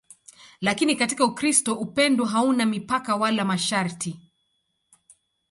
Lakini katika Ukristo upendo hauna mipaka wala masharti.